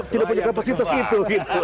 tidak punya kapasitas itu